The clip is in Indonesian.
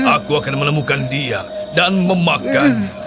aku akan menemukan dia dan memakan